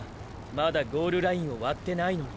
まだゴールラインを割ってないのに。